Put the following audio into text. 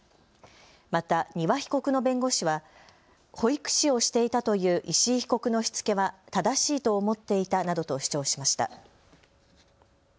また丹羽被告の弁護士は保育士をしていたという石井被告のしつけは正しいと思っていたなどと主張しました。